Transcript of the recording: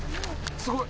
すごい！